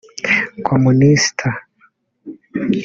communista